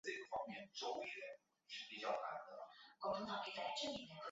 王柏心人。